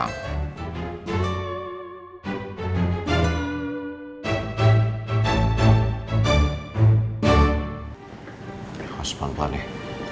mas pelan pelan ya